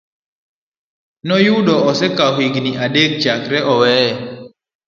Noyudo osekawo higini adek chakre oweye.